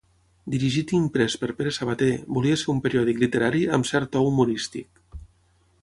Dirigit i imprès per Pere Sabater, volia ser un periòdic literari amb cert to humorístic.